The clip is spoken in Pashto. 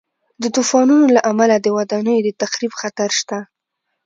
د طوفانونو له امله د ودانیو د تخریب خطر شته.